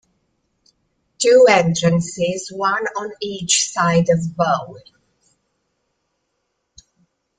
Two entrances, one on each side of boul.